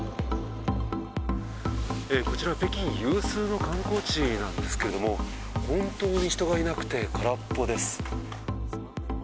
こちらは北京有数の観光地なんですけれども、本当に人がいなくて、空っぽです。